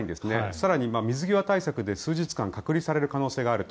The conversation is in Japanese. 更に水際対策で数日間隔離される可能性があると。